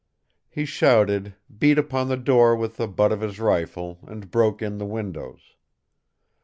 He shouted, beat upon the door with the butt of his rifle and broke in the windows.